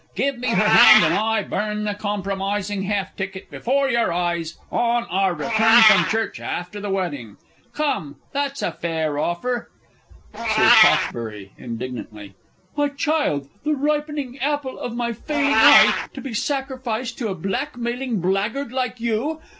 Give me her hand, and I burn the compromising half ticket before your eyes on our return from church after the wedding. Come, that's a fair offer! Sir P. (indignantly). My child, the ripening apple of my failing eye, to be sacrificed to a blackmailing blackguard like you!